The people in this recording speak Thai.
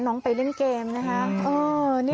น้องไปเล่นเกมนะคะ